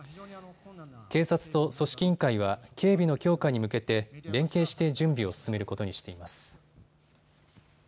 警察と組織委員会は警備の強化に向けて連携して準備を進めることにしています。